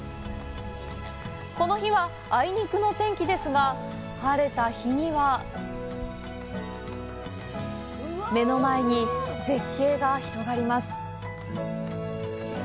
この日はあいにくの天気ですが晴れた日には目の前に絶景が広がります。